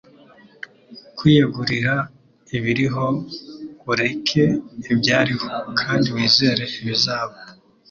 Kwiyegurira ibiriho, ureke ibyariho, kandi wizere ibizaba.”